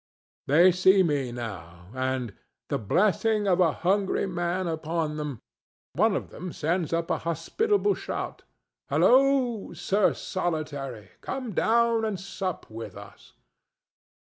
They see me now; and—the blessing of a hungry man upon him!—one of them sends up a hospitable shout: "Halloo, Sir Solitary! Come down and sup with us!"